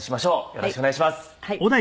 よろしくお願いします。